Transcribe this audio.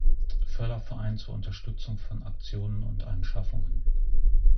Förderverein zur Unterstützung von Aktionen und Anschaffungen.